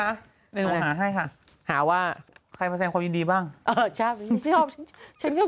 หนึ่งหาให้ค่ะหาว่าใครมาแสดงความยินดีบ้างเออชอบจริงชอบฉันก็